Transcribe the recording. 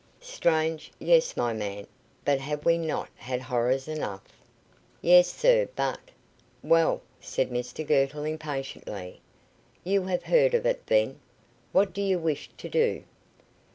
"Strange, yes, my man, but have we not had horrors enough?" "Yes, sir, but " "Well," said Mr Girtle impatiently, "you have heard of it, then? What do you wish to do?"